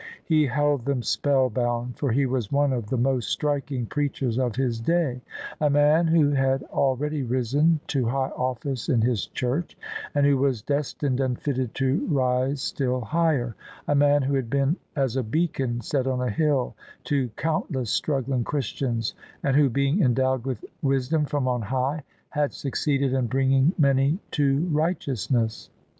He held them spell bound, for he was one of the most striking preachers of his day; a man who had already risen to high office in his Church, and who was destined and fitted to rise still higher; a man who had been as a beacon set on a hill to countless struggling Christians, and who, being endowed with wisdom from on high, had succeeded in bringing many to righteousness.